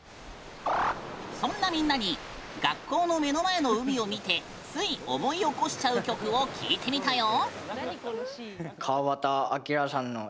そんなみんなに学校の目の前の海を見てつい思い起こしちゃう曲を聞いてみたよ！